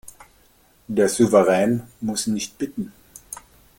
Der Souverän muss nicht bitten.